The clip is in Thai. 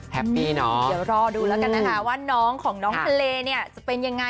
แฮปปี้น้อง